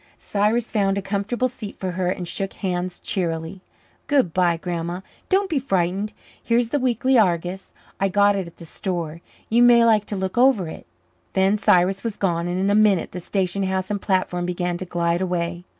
Cyrus found a comfortable seat for her and shook hands cheerily. "Good bye, Grandma. Don't be frightened. Here's the Weekly Argus. I got it at the store. You may like to look over it." Then Cyrus was gone, and in a minute the station house and platform began to glide away.